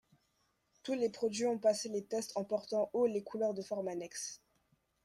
Tous les produits ont passé les tests en portant haut les couleurs de Pharmanex.